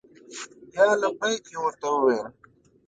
یا لبیک! یې ورته ولیکل.